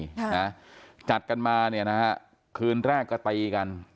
ค่ะนะจัดกันมาเนี่ยนะฮะคืนแรกก็ตีกัน